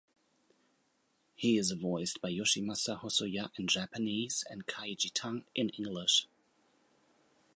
He is voiced by Yoshimasa Hosoya in Japanese and Kaiji Tang in English.